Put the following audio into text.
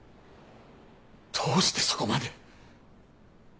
どうしてそこまで？